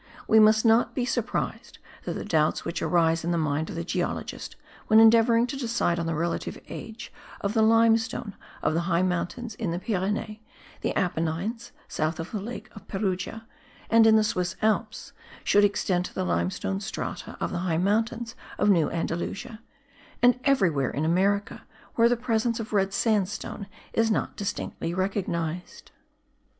We must not be surprised that the doubts which arise in the mind of the geologist when endeavouring to decide on the relative age of the limestone of the high mountains in the Pyrenees, the Apennines (south of the lake of Perugia) and in the Swiss Alps, should extend to the limestone strata of the high mountains of New Andalusia, and everywhere in America where the presence of red sandstone is not distinctly recognized.